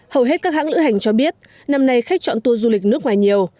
hầu hết các hãng lữ hành cho biết năm nay khách chọn tour du lịch nước ngoài nhiều